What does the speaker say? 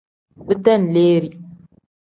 Bidenleeri.